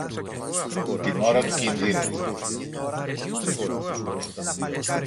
την ώρα του κινδύνου.